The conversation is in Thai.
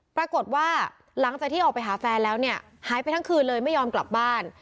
ปรากฏว่าหลังจากที่ออกไปหาแฟนแล้วเนี่ยหายไปทั้งคืนเลยไม่ยอมกลับบ้าน